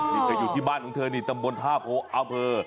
เธออยู่ที่บ้านของเธอนี่ตำบลภาพโอ้เอาเผอ